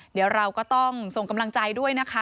เดี๋ยวเราก็ต้องส่งกำลังใจด้วยนะคะ